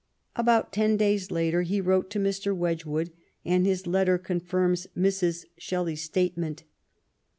About ten days later he wrote to Mr. Wedgwood^ and his letter confirms Mrs. Shelley's statement.